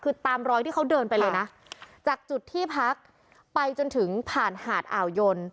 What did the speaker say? คือตามรอยที่เขาเดินไปเลยนะจากจุดที่พักไปจนถึงผ่านหาดอ่าวยน